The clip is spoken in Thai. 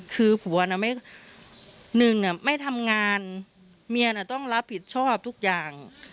คือผัวน่ะไม่หนึ่งไม่ทำงานเมียน่ะต้องรับผิดชอบทุกอย่าง